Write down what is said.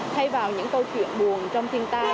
thay vào những câu chuyện buồn trong thiên tai